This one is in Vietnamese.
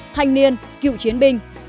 thanh niên cựu chiến binh